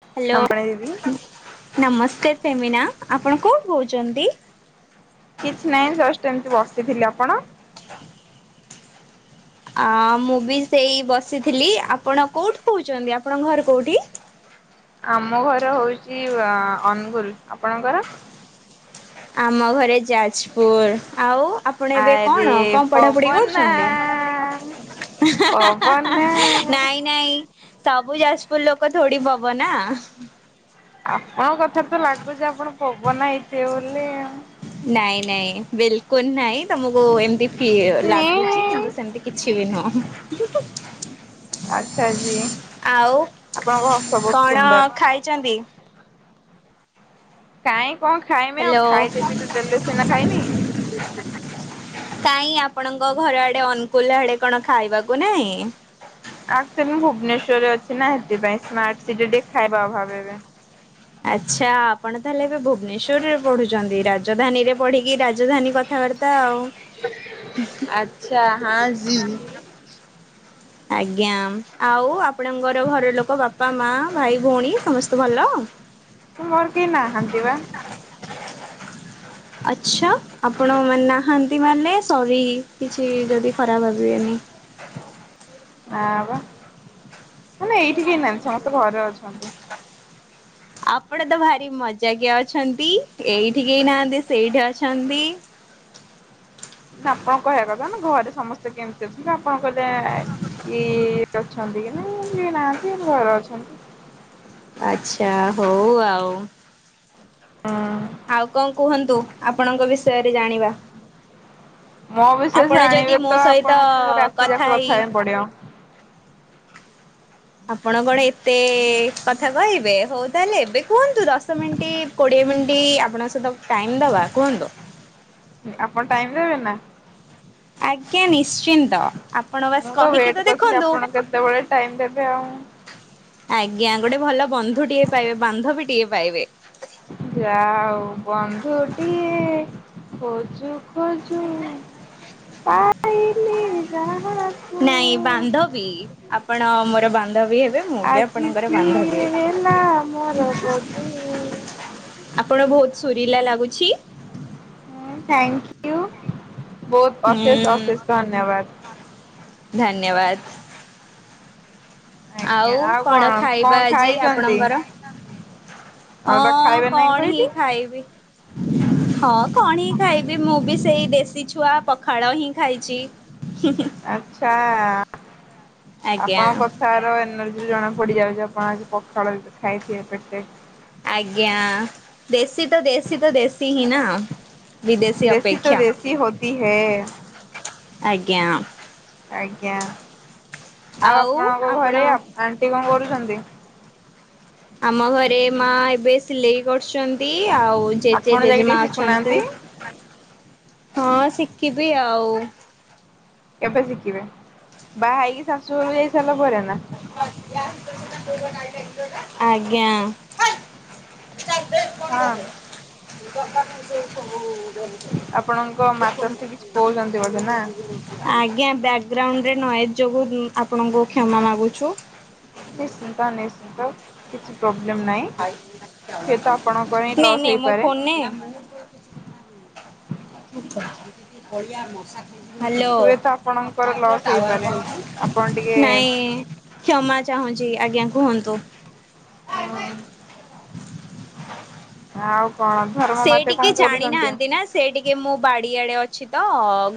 [unintelligible] ନମସ୍ତେ ପ୍ରେମିନା ଆପଣ କଣ କରୁଛନ୍ତି? କିଛି ନାହିଁ ଜଷ୍ଟ ଏମିତି ବସିଥିଲି ଆପଣ? [inaudible] ଅ ମୁଁ ବି ସେଇ ବସିଥିଲି ଆପଣ କୋଉଠି କହୁଛନ୍ତି ଆପଣଙ୍କ ଘର କୋଉଠି? ଆମ ଘର ହଉଛି ଅନୁଗୁଲ ଆପଣଙ୍କର? ଆମ ଘରେ ଯାଜପୁର ଆଉ ଆପଣ ଏବେ ଆରେ କଣ କଣ ପଢାପଢି ପବନା କରୁଛନ୍ତି? ପବନା ନାଇଁ ନାଇଁ ସବୁ ଯାଜପୁର ଲୋକ ଥୋଡି ପବନା। ଆପଣଙ୍କ କଥା ତ ଲାଗୁଛି ଆପଣ ପବନା ହାଇଥିବେ ବୋଲି। ନାଇଁ ନାଇଁ ବିଲକୁଲ ନାଇଁ ତମକୁ ଏମତି କି ଲାଗୁଛି କିନ୍ତୁ ସେମିତି କିଛି ବି ନୁହଁ। ଆଚ୍ଛା ଜୀ ଆଉ ଆପଣଙ୍କ ହସ ବହୁତ କଣ ସୁନ୍ଦର। ଖାଇଛନ୍ତି? କାଇଁ କଣ ଖାଇମି ଆଉ ହ୍ୟାଲୋ ଖାଇଦେ ପି ତ ଦେଲେ ସିନା ଖାଇମି। କାଇଁ ଆପଣଙ୍କ ଘର ଆଡେ ଅନୁକୁଲ ଆଡେ କଣ ଖାଇବାକୁ ନାାଇଁ। ଆ ଭୁବନେଶ୍ଵରରେ ଅଛି ନା ସେଥିପାଇଁ ସ୍ମାର୍ଟ ସି ଟିକେ ଖାଇବା ଅ ଭାବ ଏବେ। ଆଚ୍ଛା ଆପଣ ତାହେଲେ ଏବେ ଭୁବନେଶ୍ରରେ ପଢୁଛନ୍ତି ରାଜଧାନୀରେ ପଢିକି ରାଜଧାନୀ କଥା [inaudible] ଆଉ ଆଚ୍ଛା ହାଁ ଜି ଆଜ୍ଞା, ଆଉ ଆପଣଙ୍କର ଘର ଲୋକ ବାପା ମା ଭାଇ ଭଉଣୀ ସମସ୍ତେ ଭଲ? ମୋର କେହି ନାହାନ୍ତି ପା। ଆଛା, ଆପଣ ମାନେ ନାହାନ୍ତି ମାନେ ସରି କିଛି ଯଦି ଖରାପ ଭାବିବେନି। ହ ଆ-ଆ ବା ମାନେ ଏଇଠି କେହି ନାହାନ୍ତି ସମସ୍ତେ ଘରେ ଅଛନ୍ତି। ଆପଣ ତ ଭାରି ମଜାକିଆ ଅଛନ୍ତି, ଏଇଠି କେହି ନାହାନ୍ତି ସେଇଠି ଅଛନ୍ତି। ଆପଣ କହିବା କଥା ନା ଘରେ ସମସ୍ତେ କେମିତି ଅଛନ୍ତି ଆପଣ କହିଲେ ଏଁ-ଏଁ-ଏଁ ଇ-ଇ-ଇ ଅଛନ୍ତି କି ନାଇଁ, [inaudible] କିଏ ନାହାନ୍ତି ଘରେ ଅଛନ୍ତି। ଆଚ୍ଛା ହଉ ଆଉ। ହଁ। ଆଉ କଣ କୁହନ୍ତୁ ଆପଣଙ୍କ ବିଷୟରେ ଜାଣିବା। ମୋ ବିଷୟରେ ଆପଣ ଜାଣିବେ ଯଦି ମୋ ତ ସହିତ ଆପଣଙ୍କୁ ରାତି ଯାକ କଥା ହେଇ ହେବାକୁ ପଡିବ। ଆପଣ କଣ ଏତେ କଥା କହିବେ ହଉ ତାହେଲେ ଏବେ କୁହନ୍ତୁ ଦଶ ମିନିଟ୍ କୋଡିଏ ମିନିଟ୍ ଆପଣଙ୍କ ସହିତ ଟାଇମ୍ ଦବା କୁହନ୍ତୁ। ଆପଣ ଟାଇମ୍ ଦେବେ ନା? ଆଜ୍ଞା ନିଶ୍ଚିନ୍ତ। ଆପଣ ବାସ୍ ମୁଁ ତ କହିକି ୱେଟ୍ କରୁଥିଲି ଦେଖନ୍ତୁ। ଆପଣ କେତେବେଳେ ଟାଇମ୍ ଦେବେ ଆଉ ଆଜ୍ଞା ଗୋଟେ ଭଲ ବନ୍ଧୁଟିଏ ପାଇବେ ବାନ୍ଧବୀଟିଏ ପାଇବେ। ଯାହା ହେଉ ବନ୍ଧୁଟିଏ ଖୋଜୁ ଖୋଜୁ ପାଇଲି ଯାଆ ନାଇଁ ବାନ୍ଧବୀ, ଆପଣ ମୋର ବାନ୍ଧବୀ ହେ ହେବେ, ମୁଁ ବି ଆଜି ଆପଣଙ୍କର ସିଏ ବାନ୍ଧବୀ ହେଲା ମୋର ହେବି। ବଧୁ। ଆପଣ ବହୁତ ସୁୁରିଲା ଲାଗୁଛି। ଉଁ ଥ୍ୟାଙ୍କ୍ ୟୁ ବହୁତ ହୁଁ ଅଶେଷ୍ ଅଶେଷ୍ ଧନ୍ୟବାଦ। ଧନ୍ୟବାଦ। ଆଜ୍ଞା ଆଉ କଣ କଣ ଖାଇବା ଆଜି ଖାଇଛନ୍ତି? ଆପଣଙ୍କର? ଆମେ ବା ହଁ ଖାଇବା ନାହିଁ କଣ ହିଁ କହିଲି। ଖାଇବି। ହଁ କଣ ହିଁ ଖାଇବି ମୁଁ ବି ସେଇ ଦେଶୀ ଛୁଆ ପଖାଳ ହିଁ ଖାଇଛି। ଆଛା। ଆଜ୍ଞା ଆପଣଙ୍କ କଥାର ଏନର୍ ର୍ଜିରୁ ଜଣା ପଡି ଯାଉଛି ଆପଣ ଆଜି ପଖାଳ ଖାଇଥିବେ ପେଟେ। ଆଜ୍ଞା ଦେଶୀ ତ ଦେଶୀ ତ ଦେଶୀ ହିଁ ନା। ବିଦେଶୀ ଦେଶୀ ତ ଅପେକ୍ଷା ଦେଶୀ ହୋତି ହୈ। ଆଜ୍ଞା। ଆଜ୍ଞା, ଆଉ ଆପଣଙ୍କ ଘରେ ଆଣ୍ଟି କଣ କରୁଛନ୍ତି? ଆମ ଘରେ ମା ଏବେ ସିଲେଇ କରୁଛନ୍ତି। ଆଉ ଜେଜେ ଆପଣ ଯାଇକି ଟିକେ ଜେଜେମା ଅଛନ୍ତି। ଶିଖୁନାହାନ୍ତି। ହଁ ଶିଖିବି ଆଉ କେବେ ଶିଖିବେ, ବାହା ହେଇକି ଶାଶୁଘରକୁ ଯାଇ ସାରିଲା ପରେ ନା। ଆଜ୍ଞା। ହଁ। ଦରକାର ନାହିଁ ସେ ସବୁ ଆପଣଙ୍କ ମାତାଶ୍ରୀ କିଛି କହୁଛନ୍ତି ବୋଧେ ନା? ଆଜ୍ଞା ବ୍ୟାଗ୍ ଗ୍ରାଉଣ୍ଡରେ ନଏଜ ଯୋଗୁ ଆପଣଙ୍କୁ କ୍ଷମା ମାଗୁଛୁ। ନିଶ୍ଚିନ୍ତ ନିଶ୍ଚିନ୍ତ କିଛି ପ୍ରୋବ୍ଲେମ ନାହିଁ। ହୁଏତ ଆପଣଙ୍କର ହିଁ ନେ ଲସ୍ ନେ ମୋ ହେଇପାରେ ଫୋନ୍ ନେ। ହ୍ୟାଲୋ। ହୁଏତ ଆପଣଙ୍କର କାଇଁ କିଲୋ ଲସ୍ ଟାୱର୍ ହେଇପାରେ। ଆପଣ ଟିକେ ପାଉନି। ନାଇଁ କ୍ଷମା ଚାହୁଁଛି ଆଜ୍ଞା କୁହନ୍ତୁ। ହଁ। ଆଉ କଣ ଧର୍ମ ସେ ମାତେ କଣ ଟିକେ କରୁଛନ୍ତି? ଜାଣିନାହାନ୍ତି ନା ସେ ଟିକେ ମୁଁ ବାଡିଆଡେ ଅ ଅଛି ତ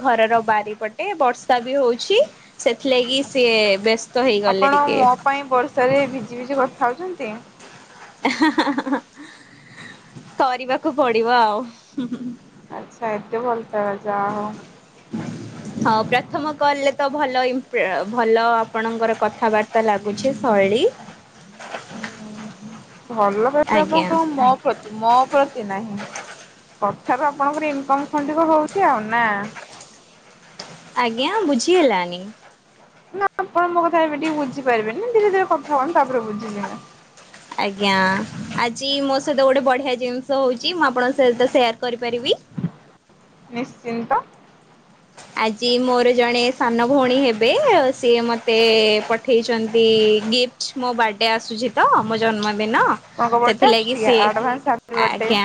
ଘରର ବାରିପଟେ ବର୍ଷା ବି ହଉଛି ସେଥି ଆଛା ଆପଣ ଟିକେ ମୋ ପାଇଁ ବର୍ଷ ରେ ଭିଜି ଭିଜି କଥାହଉଛନ୍ତି ଇହା ହାଁ ହାଁ କରିବାକୁ ପଡିବ ଆଉ ଆଚ୍ଛା ଏତେ ଭଲ ପାଉଚ। ହଁ ପ୍ରଥମ କଲ୍ ରେ ତ ଭଲ ଅ ଭଲ ଆପଣଙ୍କର କଥାବାର୍ତ୍ତା ଲାଗୁଛି। ବେଳି ଭଲ ପାଇବେ ଆଜ୍ଞା ଆପଣଙ୍କ ମୋ ପ୍ରତି ମୋ [unintelligible] କଥାରୁ ଆପଣଙ୍କର ଇନକମ ଖଣ୍ଡିକ ହଉଛି ଆଉ ନା। ଆଜ୍ଞା ବୁଝି ହେଲାନି। ନା ଆପଣ ମୋ କଥା ଏବେ ଟିକେ ବୁଝି ପାରିବେନି ଧୀରେ ଧୀରେ କଥା ହୁଅନ୍ତୁ ତାପରେ ବୁଝିଯିବେ। ଆଜ୍ଞା ଆଜି ମୋ ସହିତ ଗୋଟେ ବଢିଆ ଜିନିଷ ହଉଛି ମୁଁ ଆପଣଙ୍କ ସହିତ ସେୟାର କରିପାରିବି। ନିଶ୍ଚିନ୍ତ। ଆଜି ମୋର ଜଣେ ସାନ ଭଉଣୀ ହେବେ ଆ ସିଏ ମତେ ପଠେଇଚନ୍ତି। ଗିଫ୍ଟ ମୋ ବାର୍ଡେ ଆସୁଛି ତ ମୋ ଜନ୍ମଦି ଦିନ ଆପଣଙ୍କ ବର୍ଥଡେ ସେଥିଲାଗି ଆସୁଛି କି ସିଏ ଆଡଭାନ୍ସ ହାପି ବର୍ଥଡେ। ଆଜ୍ଞା।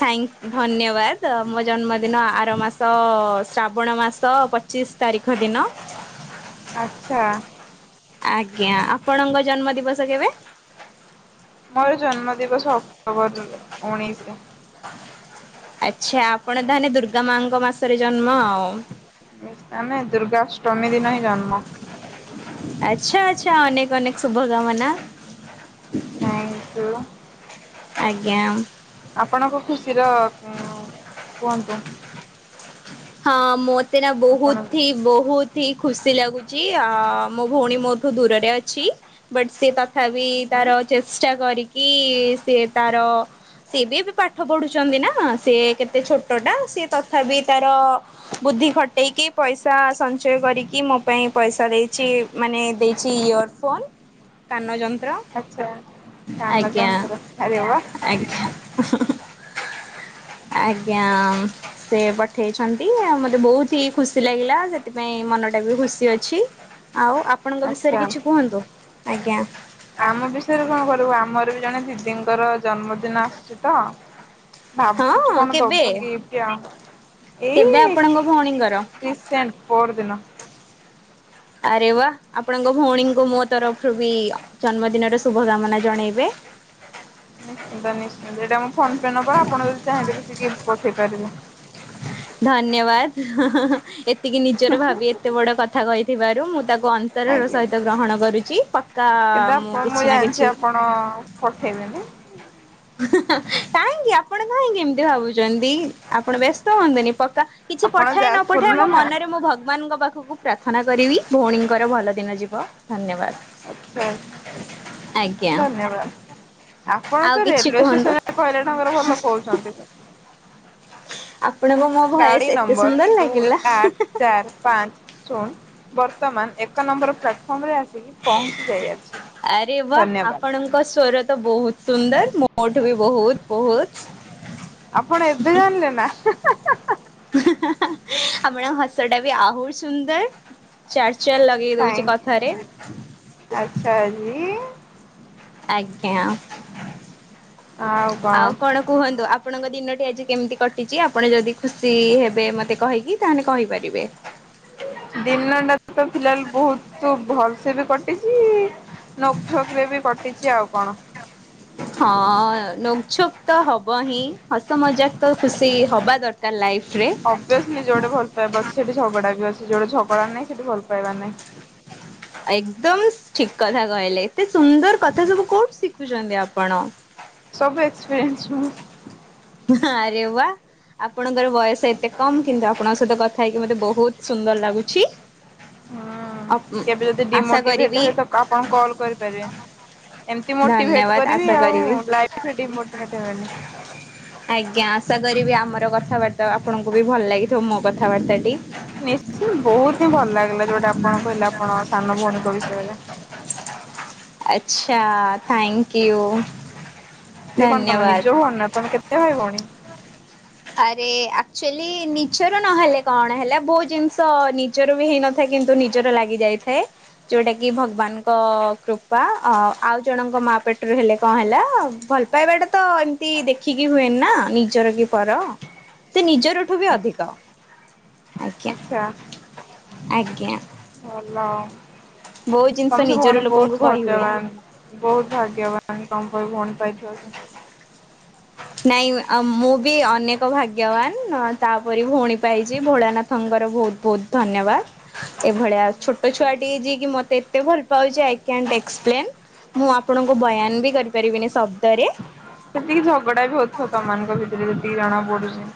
ଥ୍ୟାଙ୍କ ଧନ୍ୟବାଦ ମୋ ଜନ୍ମଦିନ ଆର ମାସ ଅ ଶ୍ରାବଣ ମାସ ପଚିଶ ତାରିଖ ଦିନ। ଆଚ୍ଛା। ଆଜ୍ଞା ଆପଣଙ୍କ ଜନ୍ମ ଦିବସ କେବେ? ମୋର ଜନ୍ମ ଦିବସ ଅକ୍ଟୋବର ଉଣେଇଶି। ଆଚ୍ଛା ଆପଣ ତାହେନେ ଦୁର୍ଗା ମାଙ୍କ ମାସରେ ଜନ୍ମ ଆଉ। ଆମେ ଦୁର୍ଗାଷ୍ଟମୀ ଦିନ ହିଁ ଜନ୍ମ। ଆଚ୍ଛା ଆଚ୍ଛା ଅନେକ ଅନେକ ଶୁଭ କାମନା। Thank you. ଆଜ୍ଞା। ଆପଣଙ୍କ ଖୁସିର କୁହନ୍ତୁ। ହଁ ମତେ ନା ଆପଣ ବହୁଥି ବହୁତ। ଇ ଖୁସି ଲାଗୁଛି ଆ ମୋ ଭଉଣୀ ମୋଠୁ ଦୂରରେ ଅଛି ବଟ୍ ସେ ତା ତଥାପି ତାର ଚେଷ୍ଟା କରିକି ସିଏ ତାର ସିଏ ବି ଏବେ ପାଠ ପଢୁଛନ୍ତି ନା ସିଏ କେତେ ଛୋଟ ଟା ସିଏ ତଥାପି ତା ଅ ବୁଦ୍ଧି ଖଟେଇକି ପଇସା ସଞ୍ଚୟ କରିକି ମୋ ପାଇଁ ପଇସା ଦେଇଛି ମାନେ ଦେଇଛି ଇଅର୍ ଫୋନ୍ କାନ ଯ ର ଆଚ୍ଛା କାନ ଆଜ୍ଞା ଯନ୍ତ୍ର ଆରେ ବା ଆଜ୍ଞା ହୁଁ ହୁଁ। ଆଜ୍ଞା ସେ ପଠେଇଛନ୍ତି ଆଉ ମତେ ବହୁତ ହି ଖୁସି ଲାଗିଲା ସେଥିପାଇଁ ମନ ଟା ବି ଖୁସି ଅଛି ଆଉ ଆପଣଙ୍କ ଆଚ୍ଛା। ବିଷୟରେ କିଛି କୁହନ୍ତୁ ଆଜ୍ଞା। ଆମ ବିଷୟରେ କଣ କରିବୁ ଆମର ବି ଜଣେ ଦିଦିଙ୍କର ଜନ୍ମଦିନ ଆସୁଛି ତ ଭାବୁଛୁ ହଁ କଣ କେବେ ଦବୁ ଗିଫ୍ଟି ଆ ଏଇ କେବେ ଆପଣଙ୍କ ଭଉଣୀଙ୍କର? ରିସେଣ୍ଟ ପହର ଦିନ। ଆରେ ବା ଆପଣଙ୍କ ଭଉଣୀଙ୍କୁ ମୋ ତରଫରୁ ବି ଜନ୍ମଦିନର ଶୁଭ କାମନା ଜଣେଇବେ। ନିଶ୍ଚିନ୍ତ ନିଶ୍ଚିନ୍ତ ଏଇଟା ଫୋନ ପେ ନମ୍ବର ଆପଣ ଯଦି ଚାହିଁବେ କିଛି ଗିଫ୍ଟ ପଠେଇ ପାରିବେ। [unintelligible] ହଁ ହଁ ଏତିକି ନିଜର ଭାବି ଏତେ ବଡ କଥା କହିଥିବାରୁ ମୁଁ ତାକୁ ଅନ୍ତର ର ଆଜ୍ଞା। ସହିତ ଗ୍ରହଣ କରୁଛି ପକ୍କା କିନ୍ତୁ ମୁଁ ଆପଣ କିଛି ନା ଜାଣିଛି କିଛି ଆପଣ [unintelligible] କାହିଁକି ଆପଣ କାହିଁକି ଏମିତି ଭାବୁଛନ୍ତି ଆପଣ ବ୍ୟସ୍ତ ହୁଅନ୍ତୁ ନି କିଛି ଆପଣ ପଠାଏ ନ ଯାଜପୁର ପଠାଏ ନା ମୋ ନା। ମନରେ ମୁଁ ଭଗବାନଙ୍କ ପାଖକୁ ପ୍ରାର୍ଥନା ନା କରିବି ଭଉଣୀଙ୍କର ଭଲ ଦିନ ଯିବ ଧନ୍ୟବାଦ। ଆଛା ଆଜ୍ଞା ଧନ୍ୟବାଦ। ଆପଣ ଆଉ ତ କିଛି ରେଲୱେ କୁହନ୍ତୁ ଷ୍ଟେସନରେ କହିଲେ [unintelligible] ତାଙ୍କର ଭଲ କହୁଛନ୍ତି। ଆ ଗାଡି ନମ୍ବର ଦୁଇ ଆଠ ଚାରି ପାଞ୍ଚ ଶୂନ ବର୍ତ୍ତମାନ ଏକ ନମ୍ବର ପ୍ଲାଟଫର୍ମ ରେ ଆସିକି ପହଞ୍ଚି ଯାଇଅଛି, ଆରେ ବା ଧନ୍ୟବାଦ। ଆପଣଙ୍କ ସ୍ୱର ତ ବହୁତ ସୁନ୍ଦର ମୋଠୁ ବି ବହୁତ ବହୁତ ଆପଣ ଏବେ ଜାଣିଲେ ନା ହେ ହେ ହେ ହେ ଆପଣଙ୍କ ହସ ଟା ବି ଆହୁରି ସୁନ୍ଦର ଚ ଚଲ ଲଗେଇ ଦଉଛି ଥ୍ୟାଙ୍କ କଥାରେ ଆଚ୍ଛା ଆଜି ଆଜ୍ଞା ଆଉ କଣ କୁହନ୍ତୁ? ଆପଣଙ୍କ ଦିନଟି ଆଜି କେମିତି କଟିଛି ଆପଣ ଯଦି ଖୁସି ହେବେ ମତେ କହିକି ତାହେଲେ କହିପାରିବେ। ଦିନଟା ସେ ବି କଟିଛି ନୋକଝୋକ ରେ ବି କଟିଛି ଆଉ କଣ? ହଁ ନୋକ ଛୋପ ତ ହବ ହିଁ ହସ ମଜାକ ତ ଖୁସି ହବା ଦରକାର ଲାଇଫ ଅଭିୟସ୍ଲି ଯୋଉଠି ଭଲ ପାଇବା ସେଠି ଝଗଡା ବି ଅ ସେ ଯୋଉଟେ ଝଗଡା ନାଇଁ ସେଠି ଭଲ ପାଇବା ନାଇଁ ଏକଦମ ଠିକ୍ କଥା କହିଲେ ଏତେ ସୁନ୍ଦର କଥା ସବୁ କୋଉଠି ଶିଖୁଛନ୍ତି ଆପଣ? ସବୁ ଏକ୍ସପିରିଏନ୍ସ୍ ମୁ ହଁ ଆରେ ବା ଆପଣଙ୍କର ବୟସ ଏତେ କମ୍ କିନ୍ତୁ ଆପଣଙ୍କ ସହିତ କଥା ହେଇକି ମତେ ବହୁତ ସୁନ୍ଦର ଲାଗୁଛି। ହୁଁ ଅପ କେବେ ଯଦି ଆଶା କରିବି ଡିମୋଟିଭେଟର ହୁଏ ତ ଆପଣ କଲ୍ କରିପାରିବେ ଏମତି ମୋଟିଭେଟ୍ ଧନ୍ୟବାଦ କରିବି ଆଶା ଆଉ ଲାଇଫ୍‌ରେ ଡିମୋଟିଭେଟ୍ ହେବେନି। ଆଜ୍ଞା ଆଶା କରିବି ଆମର କଥାବାର୍ତ୍ତା ଆପଣଙ୍କୁ ବି ଭଲ ଲାଗିଥିବ ମୋ କଥାବାର୍ତ୍ତା ଟି ନିଶ୍ଚୟ ବହୁତ ହିଁ ଭଲ ଲାଗିଲା ଯୋଉଟା ଆପଣ କହିଲା ଆପଣ ସାନ ଭଉଣୀଙ୍କ ବିଷୟରେ [inaudible] ଆଛା ଥ୍ୟାଙ୍କ୍ ୟୁ। ସେ କଣ ତମେ ଧନ୍ୟବାଦ। ନିଜ ଭଉନି ନା ତମେ କେତେ ଭାଇଭଉଣୀ? ଆରେ ଆକ୍ଚୁଆଲି ନିଜର ନହେଲେ କଣ ହେଲା ବହୁତ୍ ଜିନିଷ ନିଜର ବି ହେଇନଥାଏ କିନ୍ତୁ ନିଜର ଲାଗି ଯାଇଥାଏ ଯୋଉଟା କି ଭଗବାନଙ୍କ କୃପା ଅ ଆଉ ଜଣଙ୍କ ମା ପେଟରୁ ହେଲେ କଣ ହେଲା ଭଲ ପାଇବାଟା ତ ଏମିତି ଦେଖିକି ହୁଏନି ନା ନିଜର କି ପର ସେ ନିଜର ଠୁ ବି ଅଧିକ ଆଜ୍ଞା। ଆଚ୍ଛା ଆଜ୍ଞା। ଭଲ ବହୁତ [inaudible] ଜିନିଷ ତମେ ସବୁ ନିଜର ଭଉଣୀ ଲୋକଙ୍କୁ ବହୁତ କହି ହୁଏନି। ଭାଗ୍ୟବାନ ବହୁତ ଭାଗ୍ୟବାନ। ତମ୍ ପରି ଭଉଣୀ [unintelligible] ପାଇଥିଵ ସେ। ନାଇଁ ମୁଁ ବି ଅନେକ ଭାଗ୍ୟବାନ ତାପରି ଭଉଣୀ ପାଇଛି ଭୋଳାନାଥଙ୍କର ଭଉଣୀ ବତ ବହୁତ ଧନ୍ୟବାଦ ଏଭଳିଆ ଛୋଟ ଆଚ୍ଛା ଛୁଆ ଟି ଯିଏକି ମତେ ଏତେ ଭଲ ପାଉଛି ଆ। ଆଇ କାଣ୍ଟ ଏକ୍ସପ୍ଲେନ୍, ମୁଁ ଆପଣଙ୍କୁ ବୟାନ ବି କରିପାରିବିନି ସବୁ ସେତିକି ଝଗଡା ବି ହଉଥିବ ତମ ମାନଂକର ଭିତରେ ଯେତିକି ଜଣା ପଡୁଛି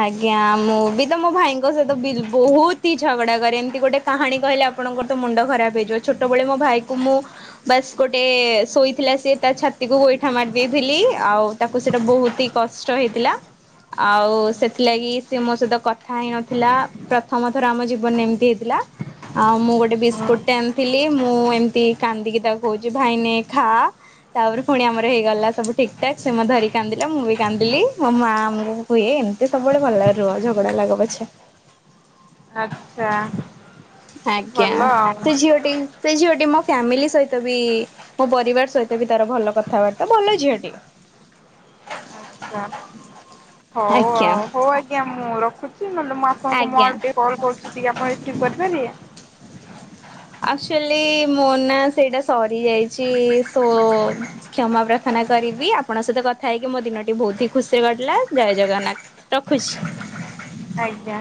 ଆଜ୍ଞା ମୁଁ ବି ତ ମୋ ଭାଇଙ୍କ ସହିତ ବି ବହୁତ ହି ଝଗଡା କରେ ଏମିତି ଗୋଟେ କାହାଣୀ କହିଲି ଆପଣଙ୍କର ତ ମୁଣ୍ଡ ଖରାପ ହେଇଯିବ, ଛୋଟବେଳେ ମୋ ଭାଇ କ ମୁଁ ବାସ୍ ଗୋଟେ ଶୋଇଥିଲା ସେ ଛାତିକୁ ଗୋଇଠା ମାରି ଦେଇଥିଲି ଆଉ ତାକୁ ସେଇଟା ବହୁତ ହି କଷ୍ଟ ହେଇଥିଲା ଆଉ ସେଥିଲାଗି ସେ ମୋ ସହିତ କଥା ହେଇନଥିଲା ପ୍ରଥମ ଥର ଆମ ଜୀବନ ଏମିତି ହେଇଥିଲା ଆଉ ମୁଁ ଗୋଟେ ବିସ୍କୁଟ ଟେ ଆଣିଥିଲି ମୁଁ ଏମତି କାନ୍ଦିକି ତାକୁ କହୁଛି ଭାଇନେ ଖା ତାପରେ ପୁଣି ଆମର ହେଇଗଲା ସବୁ ଠିକ୍ ଠାକ୍ ସେ ମୋ ଧରିକ କାନ୍ଦିଲା ମୁଁ ବି କାନ୍ଦିଲି ମୋ ମା ଆମକୁ ହୁଏ ଏ ଏତେ ସବୁବେଳେ ଭଲ ଲାଗ ରୁହ ଝଗଡା ଲାଗ ପଛେ ଆଚ୍ଛା। ଆଜ୍ଞା ଭଲ ଆଉ ସେ ଝିଅଟି ସେ ଝିଅଟି ମୋ ଫ୍ୟାମିଲି ସହିତ ବି ମୋ ପରିବାର ସହିତ ବି ତାର ଭଲ କଥାବାର୍ତ୍ତା ଭଲ ଝିଅଟି। [inaudible] ଆଚ୍ଛା ହଉ ଆଜ୍ଞା ଆଉ ହଉ ଆଜ୍ଞା ମୁଁ ରଖୁ ମୁଁ ଆପଣଙ୍କୁ ମୋ ଆଡୁ ଆଜ୍ଞା। ଟିକେ କଲ୍ କରୁଛି ଟିକେ ଆପଣ ରିସିଭ୍ କରିପାରିବେ। ଆଚୁଆଲି ମୋର ନା ସେଇଟା ସରିଯାଇଛି ଶୋ କ୍ଷମା ପ୍ରାର୍ଥନା। କରିବି ଆପଣଙ୍କ ସହିତ କଥା ହେଇକି ମୋ ଦିନଟି ବହୁତ୍ ହିଁ ଖୁସି ରେ କଟିଲା ଜୟ ଜଗନ୍ନାଥ ରଖୁଛି। ଆଜ୍ଞା